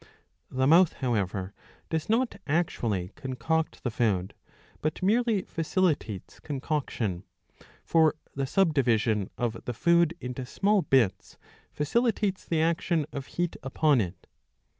The mouth, however, does not actually concoct the food, but merely facilitates concoction ;^ for the subdivision of the food into small bits facilitates the action of heat upon it.